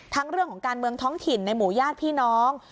เรื่องของการเมืองท้องถิ่นในหมู่ญาติพี่น้อง